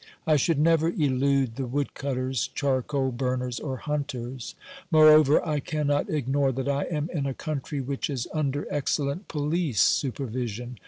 I should never elude the woodcutters, charcoal burners, or hunters. Moreover, I cannot ignore that I am in a country which is under ex cellent police supervision.